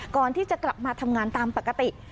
ก่อนที่จะกลับมาทำงานตามปกติ